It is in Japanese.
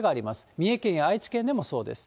三重県や愛知県でもそうです。